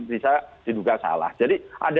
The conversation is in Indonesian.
bisa diduga salah jadi ada